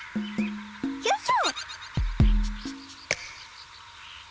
よいしょ。